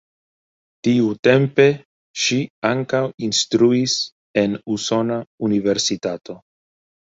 Tiutempe ŝi ankaŭ instruis en usona universitato.